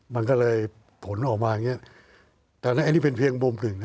มันก็เลยผลออกมาอย่างนี้แต่อันนี้เป็นเพียงมุมหนึ่งนะ